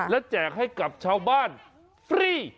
และแจกให้กับชาวบ้านฟรี